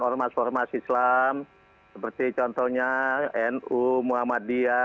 ormas ormas islam seperti contohnya nu muhammadiyah